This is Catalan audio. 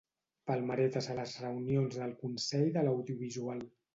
Palmeretes a les reunions del Consell de l'Audiovisual.